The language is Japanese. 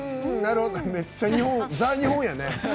めっちゃザ・日本やね。